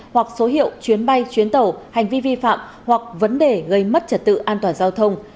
hoặc số hiệu chuyến bay chuyến tàu hành vi vi phạm hoặc vấn đề gây mất trật tự an toàn giao thông